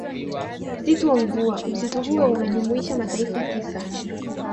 msitu wa mvua Msitu huo unajumuisha mataifa tisa